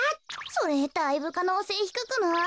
それだいぶかのうせいひくくない？